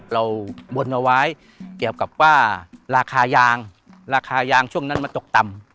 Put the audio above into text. บนเอาไว้เกี่ยวกับว่าราคายางราคายางช่วงนั้นมันตกต่ำ